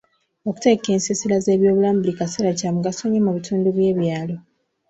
Okutegeka ensiisira z'ebyobulamu buli kaseera kya mugaso mu bitundu by'ebyalo.